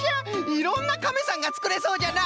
いろんなカメさんがつくれそうじゃな。